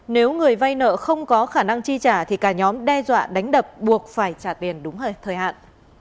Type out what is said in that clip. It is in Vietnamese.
nếu người vay nợ không có khả năng chi trả thì cả nhóm đe dọa đánh đập buộc phải trả tiền đúng thời hạn